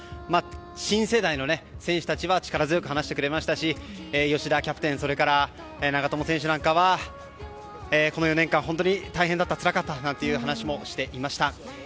新世代の選手たちは力強く話してくれましたし吉田キャプテンそれから長友選手なんかはこの４年間、本当に大変だったつらかったなんていう話もしていました。